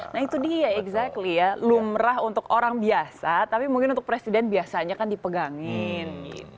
nah itu dia exactly ya lumrah untuk orang biasa tapi mungkin untuk presiden biasanya kan dipegangin